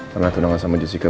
karena tenangan sama jessica